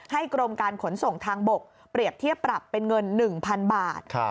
กรมการขนส่งทางบกเปรียบเทียบปรับเป็นเงิน๑๐๐๐บาท